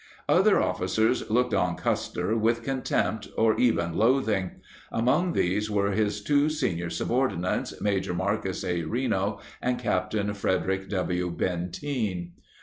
Other officers looked on Custer with contempt or even loathing. Among these were his two senior subordinates, Maj. Marcus A. Reno and Capt. Fred erick W. Benteen.